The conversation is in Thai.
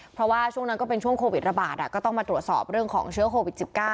เพราะว่าช่วงนั้นก็เป็นช่วงโควิดระบาดก็ต้องมาตรวจสอบเรื่องของเชื้อโควิด๑๙